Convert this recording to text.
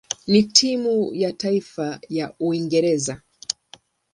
na timu ya taifa ya Uingereza.